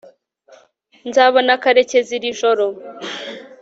nzabona karekezi iri joro